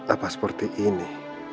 apa seperti ini